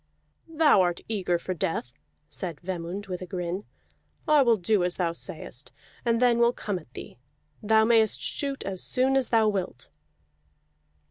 "Thou art eager for death," said Vemund with a grin. "I will do as thou sayest, and then will come at thee. Thou mayest shoot as soon as thou wilt."